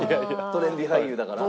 トレンディ俳優だから？